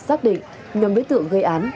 xác định nhầm đối tượng gây án